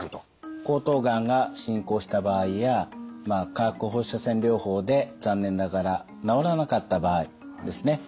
喉頭がんが進行した場合や化学放射線療法で残念ながら治らなかった場合ですね